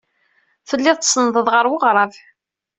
Telliḍ tsenndeḍ ɣer weɣrab.